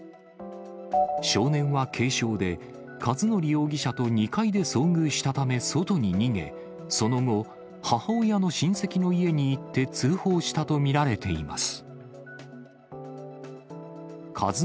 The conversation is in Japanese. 少年は軽傷で、一則容疑者と２階で遭遇したため、外に逃げ、その後、母親の親戚の家に行って通報したと見られています。